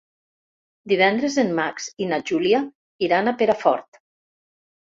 Divendres en Max i na Júlia iran a Perafort.